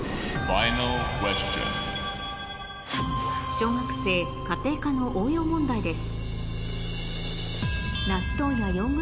小学生家庭科の応用問題です